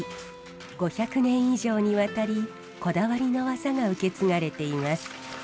５００年以上にわたりこだわりの技が受け継がれています。